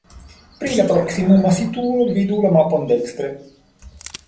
Pri la proksimuma situo vidu la mapon dekstre.